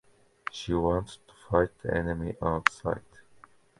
She wanted to fight the enemy outside.